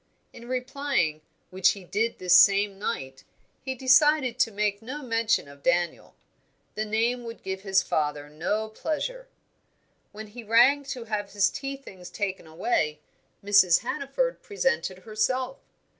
In replying, which he did this same night, he decided to make no mention of Daniel. The name would give his father no pleasure. When he rang to have his tea things taken away, Mrs. Hannaford presented herself.